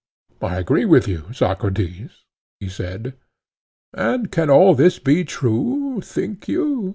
I agree with you, Socrates, he said. And can all this be true, think you?